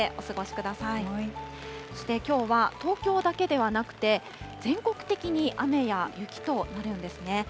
そしてきょうは、東京だけではなくて、全国的に雨や雪となるんですね。